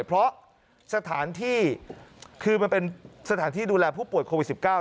เพราะสถานที่คือมันเป็นสถานที่ดูแลผู้ป่วยโควิด๑๙